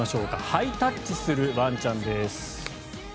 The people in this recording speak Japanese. ハイタッチするワンちゃんです。